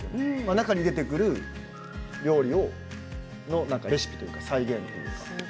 中に出てくる料理のレシピの再現というか。